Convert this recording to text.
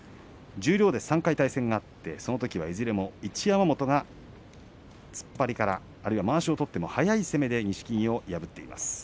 十両で３回対戦があってそのときはいずれも一山本が突っ張りから、あるいはまわしを取っての速い攻めで錦木を破っています。